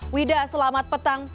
wida selamat petang